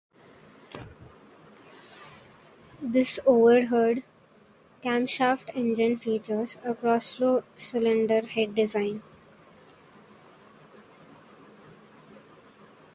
This overhead camshaft engine features a crossflow cylinder head design.